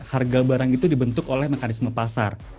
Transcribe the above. harga barang itu dibentuk oleh mekanisme pasar